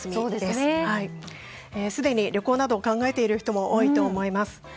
すでに旅行などを考えている人も多いと思います。